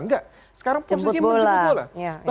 enggak sekarang posisinya menjemput bola